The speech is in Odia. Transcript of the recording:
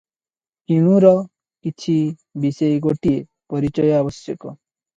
କିଣୁର କିଛି ବିଶେଷ ଗୋଟିଏ ପରିଚୟ ଆବଶ୍ୟକ ।